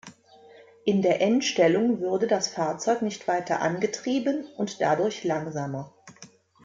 In der N-Stellung würde das Fahrzeug nicht weiter angetrieben und dadurch langsamer.